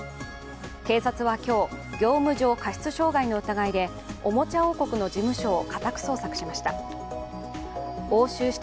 警察は今日、業務上過失傷害の疑いでおもちゃ王国の事務所を家宅捜索しました。